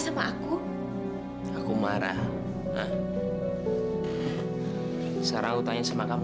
sekarang aku tanya sama kamu